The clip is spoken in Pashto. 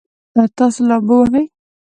تاسو لامبو وهئ؟